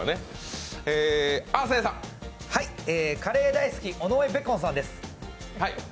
カレー大好き尾上ベコンさんです。